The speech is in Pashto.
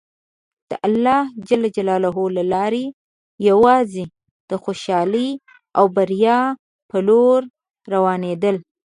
د الله له لارې یوازې د خوشحالۍ او بریا په لور روانېدل.